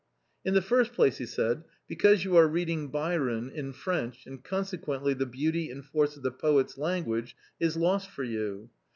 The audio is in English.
" In the first place," he said, " because you are reading Byron in French and consequently the beauty and force of the poet's language is lost for you.